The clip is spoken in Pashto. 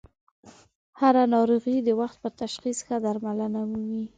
هر ه ناروغي د وخت په تشخیص ښه درملنه مومي.